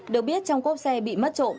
được biết trong cốp xe bị mất trộm